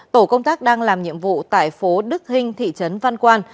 tổ công tác đang làm nhiệm vụ tại phố đức hinh thị trấn văn quan